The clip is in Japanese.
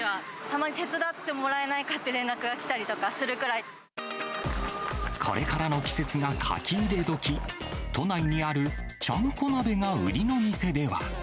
たまに手伝ってもらえないかってこれからの季節が書き入れ時、都内にあるちゃんこ鍋が売りの店では。